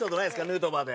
ヌートバーで。